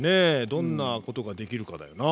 どんなことができるかだよな。